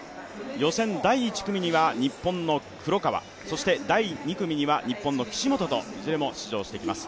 予選第１組には日本の黒川、第２組には日本の岸本といずれも出場してきます。